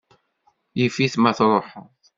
Yif-it ma tṛuḥeḍ.